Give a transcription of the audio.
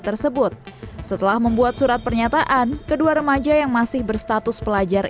tersebut setelah membuat surat pernyataan kedua remaja yang masih berstatus pelajar